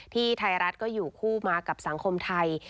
ไทยรัฐก็อยู่คู่มากับสังคมไทย